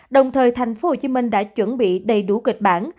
đồng thời thành phố hồ chí minh đã chuẩn bị đầy đủ kịch bản